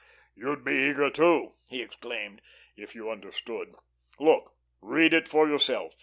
"You'd be eager, too," he exclaimed, "if you understood. Look; read it for yourself."